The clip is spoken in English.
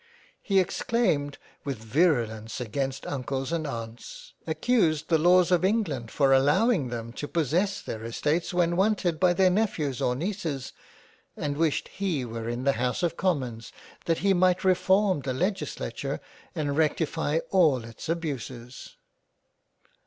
" He exclaimed with virulence against Uncles and Aunts ; Accused the laws of England for allowing them to possess their Estates when wanted by their Nephews or Neices, and wished he were in the House of Commons, that he might reform the Legislature, and rectify all its abuses."